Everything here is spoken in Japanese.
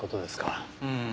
うん。